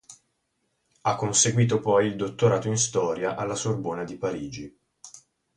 Ha conseguito poi il dottorato in Storia alla Sorbona di Parigi.